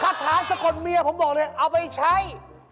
คาถาสะกดเมียผมบอกเลยเอาไปใช้